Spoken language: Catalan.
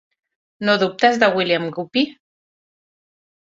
No dubtes de William Guppy?